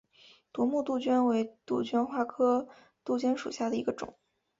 夺目杜鹃为杜鹃花科杜鹃属下的一个种。